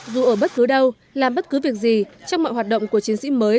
dù ở bất cứ đâu làm bất cứ việc gì trong mọi hoạt động của chiến sĩ mới